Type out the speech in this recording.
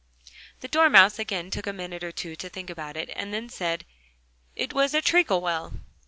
The Dormouse again took a minute or two to think about it, and then said: "It was a treacle well."